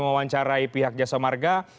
mewawancarai pihak jasa marga